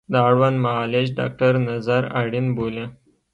د اړوند معالج ډاکتر نظر اړین بولي